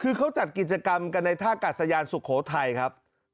คือเขาจัดกิจกรรมกันในท่ากัดสยานสุขแถวธรรมไทยครับนับแต่ช่วงเช้าของเมื่อวานนี้